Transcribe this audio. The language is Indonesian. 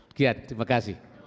sekian terima kasih